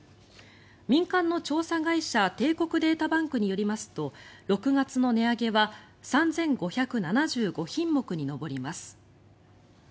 民間の調査会社帝国データバンクによりますと６月の値上げは３５７５品目に上ります。